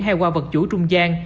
hay qua vật chủ trung gian